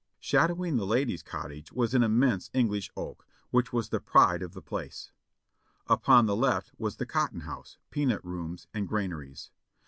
Shadowing the ladies' cottage was an immense English oak, which was the pride of the place. Upon the left was the cotton house, peanut rooms and granaries.